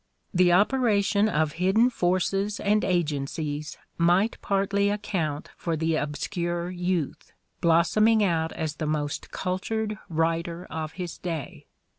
The operation of hidden forces and agencies might partly account for the obscure youth, blossoming out as the most cultured writer of his day.